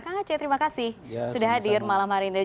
kang aceh terima kasih sudah hadir malam hari ini